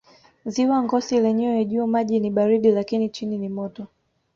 Ziwa Ngosi lenyewe juu maji ni baridi lakini chini ni moto